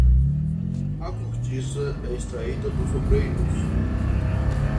A cortiça é extraída dos sobreiros.